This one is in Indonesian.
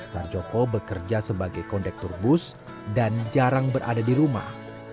sarjoko bekerja sebagai kondektur bus dan jarang berada di rumah